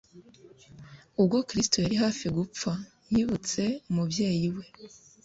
ubwo kristo yari hafi gupfa, yibutse umubyeyi we